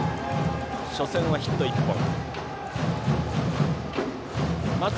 初戦はヒット１本。